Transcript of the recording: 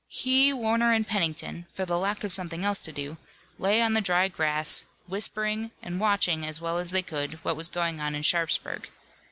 He, Warner and Pennington, for the lack of something else to do, lay on the dry grass, whispering and watching as well as they could what was going on in Sharpsburg.